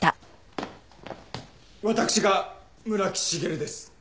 私が村木繁です。